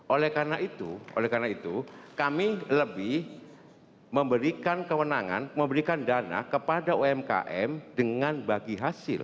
oleh karena itu kami lebih memberikan kewenangan memberikan dana kepada umkm dengan bagi hasil